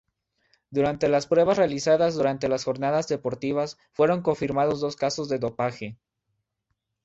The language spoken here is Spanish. Durante las pruebas realizadas durante las jornadas deportivas fueron confirmados dos casos de dopaje.